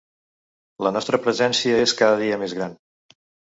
La nostra presència és cada dia més gran.